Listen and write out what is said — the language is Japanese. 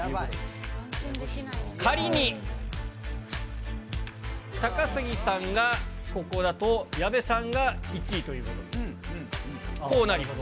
仮に、高杉さんがここだと、矢部さんが１位ということになります。